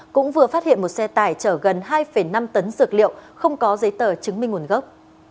cũng vừa phát hiện một xe tải chở gần hai năm tấn dược liệu không có giấy tờ chứng minh nguồn gốc